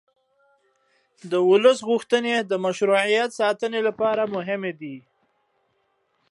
د ولس غوښتنې د مشروعیت ساتنې لپاره مهمې دي